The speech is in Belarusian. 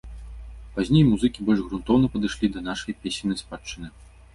Пазней музыкі больш грунтоўна падышлі да нашай песеннай спадчыны.